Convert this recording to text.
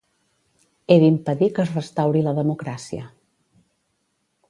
He d'impedir que es restauri la democràcia.